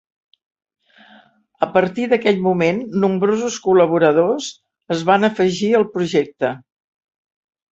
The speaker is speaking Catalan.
A partir d'aquell moment, nombrosos col·laboradors es van afegir al projecte.